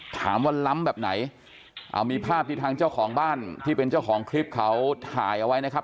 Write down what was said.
ถามว่าล้ำแบบไหนเอามีภาพที่ทางเจ้าของบ้านที่เป็นเจ้าของคลิปเขาถ่ายเอาไว้นะครับ